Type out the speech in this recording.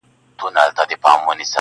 شمعي ته به نه وایې چي مه سوځه-